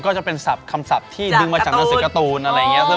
ก็จะเป็นศัพท์คำศัพท์ที่ดึงมาจากหนังสือการ์ตูนอะไรอย่างนี้